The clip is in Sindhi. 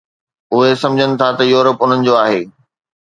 اهي سمجهن ٿا ته يورپ انهن جو آهي